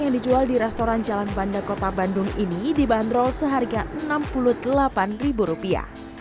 yang dijual di restoran jalan banda kota bandung ini dibanderol seharga enam puluh delapan rupiah